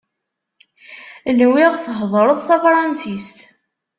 Nwiɣ theddreḍ tafransist.